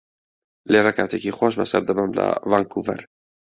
لێرە کاتێکی خۆش بەسەر دەبەم لە ڤانکوڤەر.